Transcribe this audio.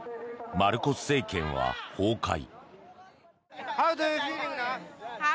マルコス政権は崩壊。